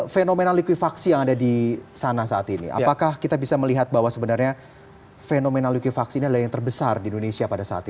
fenomena likuifaksi yang ada di sana saat ini apakah kita bisa melihat bahwa sebenarnya fenomena likuifaksi ini adalah yang terbesar di indonesia pada saat ini